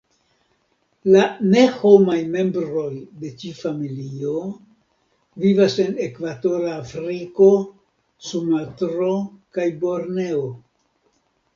La ne-homaj membroj de ĉi-familio vivas en Ekvatora Afriko, Sumatro, kaj Borneo.